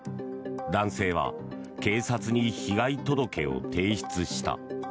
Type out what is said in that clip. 男性は警察に被害届を提出した。